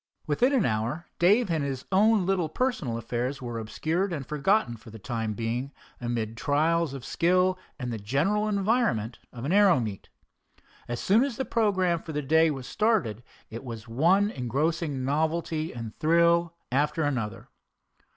Within an hour Dave and his own little personal affairs were obscured and forgotten for the time being, amid trials of skill and the general environment of an aero meet. As soon as the programme for the day was started, it was one engrossing novelty and thrill after another.